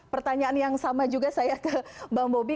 pertanyaan yang sama juga saya ke bang bobi